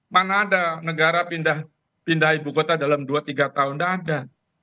mana ada negara pindah ibu kota dalam dua tiga tahun tidak ada